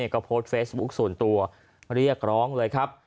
ก็โพสต์เฟซบุ๊คส่วนตัวเรียกร้องเลยครับ